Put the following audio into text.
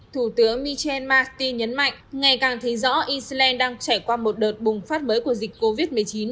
thủ tướng michel marti nhấn mạnh ngày càng thấy rõ iceland đang trải qua một đợt bùng phát mới của dịch covid